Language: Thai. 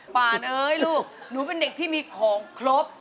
ป่านเอ้ยลูกหนูเป็นเด็กที่มีของครบ